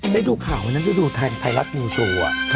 ได้ดูข่าววันนั้นได้ดูทางไทยรัฐนิวโชว์